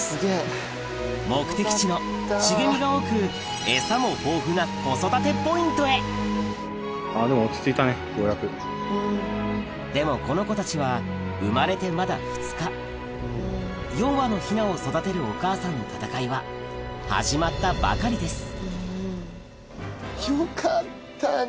目的地の茂みが多くエサも豊富なでもこの子たちは生まれてまだ２日４羽のヒナを育てるお母さんの戦いは始まったばかりですよかったね